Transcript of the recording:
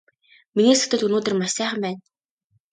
Миний сэтгэл өнөөдөр маш сайхан байна!